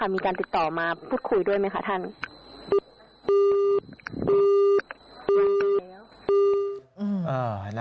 มีการติดต่อมาพูดคุยด้วยไหมคะท่าน